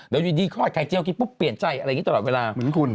แต่อยู่ดีคอดไข่เจ้ากินปุ๊บเปลี่ยนใจอะไรอย่างนี้ตลอดเวลา